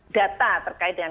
data terkait dengan